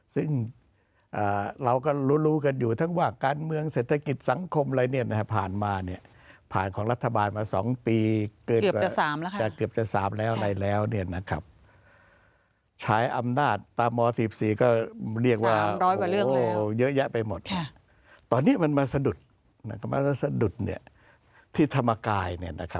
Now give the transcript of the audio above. ซึ่งเราก็รู้กันอยู่ทั้งว่าการเมืองเศรษฐกิจสังคมอะไรเนี้ย